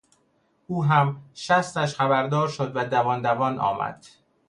او هم شستش خبردار شد و دوان دوان آمد.